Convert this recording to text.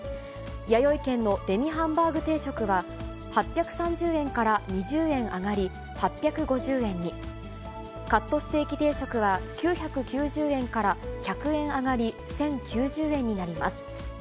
やよい軒のデミハンバーグ定食は、８３０円から２０円上がり、８５０円に、カットステーキ定食は９９０円から１００円上がり１０９０円になります。